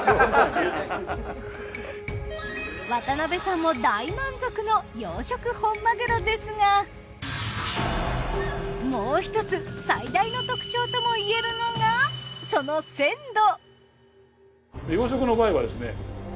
渡辺さんも大満足の養殖本マグロですがもう１つ最大の特徴ともいえるのがその鮮度！